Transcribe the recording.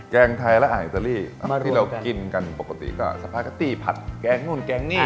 งไทยและอาหารอิตาลีที่เรากินกันปกติก็สปาเกตตี้ผัดแกงนู่นแกงนี่